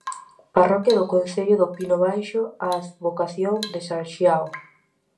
Parroquia do concello do Pino baixo a advocación de san Xiao.